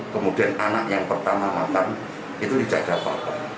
kemudian anak yang pertama makan itu dicadang papa